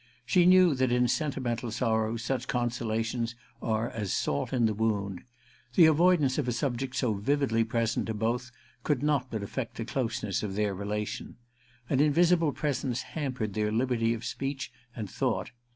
She knew that in sentimental sorrows such consolations are as salt in the wound. The avoidance of a subject so vividly present to both could not but affect the closeness of their relation. An invisible presence hampered their liberty of speech and thought.